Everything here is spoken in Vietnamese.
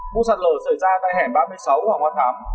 bụng sạt lở xảy ra tại hẻm ba mươi sáu hoa hoa phám